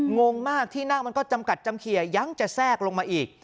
งงมากที่นั่งมันก็จำกัดจำเขียยังจะแทรกลงมาอีก